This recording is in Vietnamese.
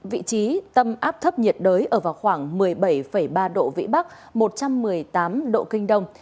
vị trí tâm áp thấp nhiệt đới ở vào khoảng một mươi bảy ba độ vĩ bắc một trăm một mươi tám độ kinh đông